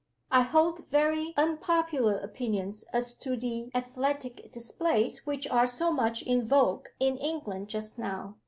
I hold very unpopular opinions as to the athletic displays which are so much in vogue in England just now.